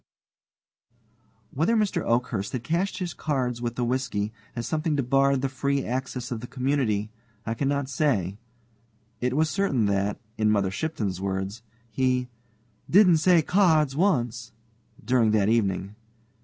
Whether Mr. Oakhurst had cached his cards with the whisky as something debarred the free access of the community, I cannot say. It was certain that, in Mother Shipton's words, he "didn't say cards once" during that evening.